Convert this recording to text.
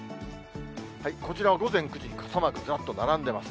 こちらは午前９時、傘マーク、ずらっと並んでます。